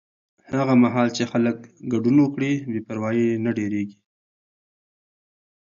هغه مهال چې خلک ګډون وکړي، بې پروایي نه ډېریږي.